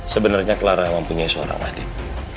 sebenarnya clara memang punya seorang adik